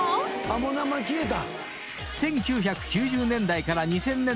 もう名前消えた？